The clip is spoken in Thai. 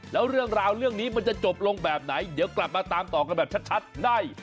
แล้วเรื่องราวเรื่องนี้มันจะจบลงแบบไหนเดี๋ยวกลับมาตามต่อกันแบบชัดได้